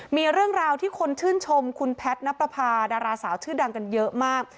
มีเรื่องราวที่คนชื่นชมคุณแพทย์นับประพาดาราสาวชื่อดังกันเยอะมาก